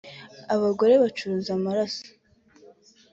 abagore bacuruza amasaro